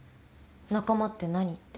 仲間って何？って。